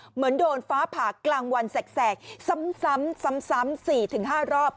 เหมือนโดนฟ้าผ่ากลางวันแสกซ้ำ๔๕รอบ